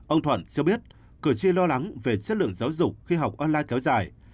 ông thuận cho biết cử tri lo lắng về chất lượng giáo dục khi học online kéo dài